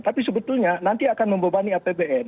tapi sebetulnya nanti akan membebani apbn